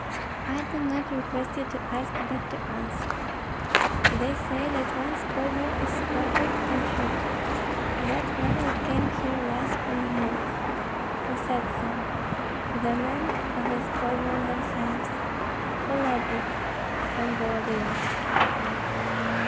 "I do not request you to ask, but to answer." "They say that one squadron is quartered in Shchuchyn, that one which came here last from Jmud." "Who said so?" "The men of the squadron themselves." "Who led it?" "Pan Volodyovski."